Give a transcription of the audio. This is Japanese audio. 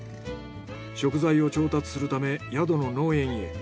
食材を調達するため宿の農園へ。